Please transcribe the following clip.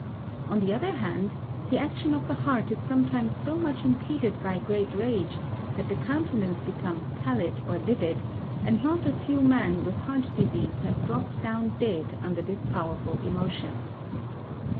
On the other hand, the action of the heart is sometimes so much impeded by great rage, that the countenance becomes pallid or livid, and not a few men with heart disease have dropped down dead under this powerful emotion.